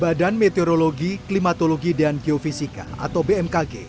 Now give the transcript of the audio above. badan meteorologi klimatologi dan geofisika atau bmkg